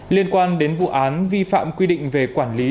liên quan đến vụ án vi phạm quy định về công ty trách nhiệm hữu hạn